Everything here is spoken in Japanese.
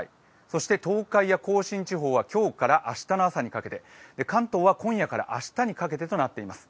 そして東海や甲信地方は今日から明日の朝にかけて関東は今夜から明日にかけてとなっています。